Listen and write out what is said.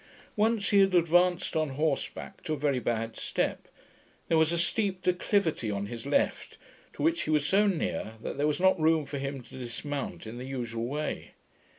Once he had advanced on horseback to a very bad step. There was a steep declivity on his left, to which he was so near, that there was not room for him to dismount in the usual way.